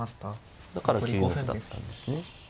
だから９五歩だったんですね。